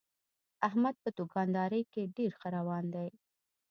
احمد په دوکاندارۍ کې ډېر ښه روان دی.